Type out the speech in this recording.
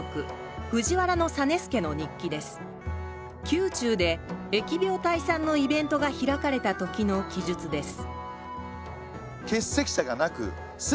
宮中で疫病退散のイベントが開かれたときの記述です